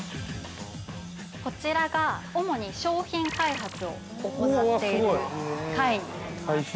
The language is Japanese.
◆こちらが、主に商品開発を行っている階になります。